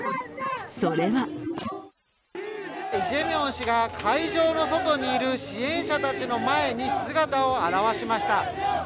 それはジェミョン氏が、会場の外にいる支援者たちの前に姿を現しました。